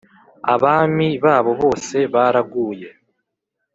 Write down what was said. abami babo bose baraguye.